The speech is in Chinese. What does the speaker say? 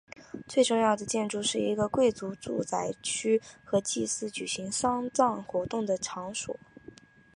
最重要的建筑是一个贵族住宅区和祭司举行丧葬活动的场所。